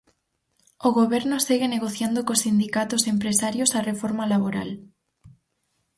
O Goberno segue negociando cos sindicatos e empresarios a reforma laboral.